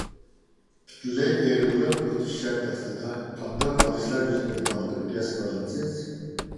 پۈتۈنلەي ئېغىرلىق يوقىتىش شەرتى ئاستىدا قانداق ھادىسىلەر يۈز بېرىدىغانلىقىنى قىياس قىلالامسىز؟